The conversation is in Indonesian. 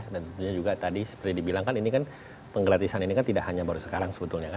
dan tentunya juga tadi seperti dibilangkan ini kan penggratisan ini kan tidak hanya baru sekarang sebetulnya